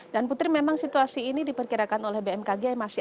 dan putri memang situasi ini diperkirakan oleh bmkg masih akan tetap terjadi